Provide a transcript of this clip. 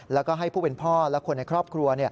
แล้วก็ให้ผู้เป็นพ่อและคนในครอบครัว